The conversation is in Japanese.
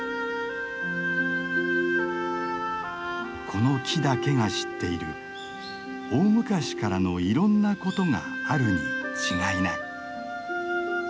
この木だけが知っている大昔からのいろんなことがあるに違いない。